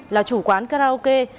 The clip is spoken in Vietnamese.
là chủ quán karaoke